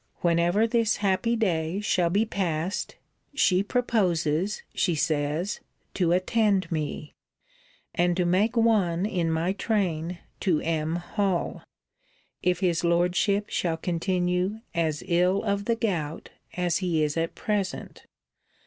'Whenever this happy day shall be passed, she proposes, she says, to attend me, and to make one in my train to M. Hall, if his Lordship shall continue as ill of the gout as he is at present.